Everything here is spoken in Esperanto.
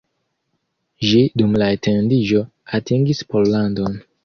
Ĝi dum la etendiĝo atingis Pollandon.